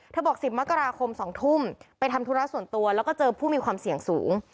บอก๑๐มกราคม๒ทุ่มไปทำธุระส่วนตัวแล้วก็เจอผู้มีความเสี่ยงสูง